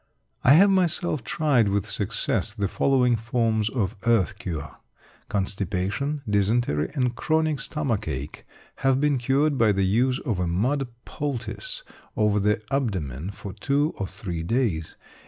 I have myself tried with success the following forms of earth cure. Constipation, dysentery, and chronic stomach ache have been cured by the use of a mud poultice over the abdomen for two or three days.